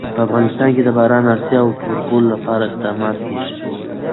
په افغانستان کې د باران د اړتیاوو پوره کولو لپاره اقدامات کېږي.